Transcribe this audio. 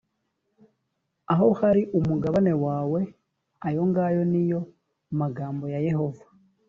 aho hari umugabane wawe ayo ngayo ni yo magambo ya yehova